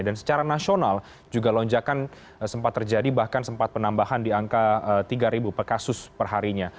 dan secara nasional juga lonjakan sempat terjadi bahkan sempat penambahan di angka tiga ribu per kasus perharinya